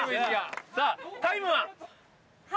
さあタイムは？